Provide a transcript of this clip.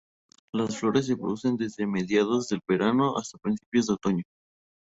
Las flores se producen desde mediados del verano hasta principios de otoño.